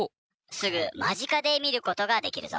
すぐ間近で見ることができるぞ。